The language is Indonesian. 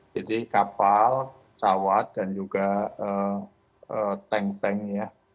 jadi kapal cawat dan juga tank tank ya